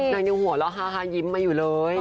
นางยังหัวเราะฮายิ้มมาอยู่เลย